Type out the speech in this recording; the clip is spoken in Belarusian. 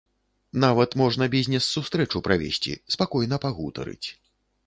Нават можна бізнес-сустрэчу правесці, спакойна пагутарыць.